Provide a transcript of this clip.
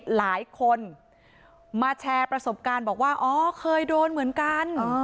หลายคนมาแชร์ประสบการณ์บอกว่าอ๋อเคยโดนเหมือนกัน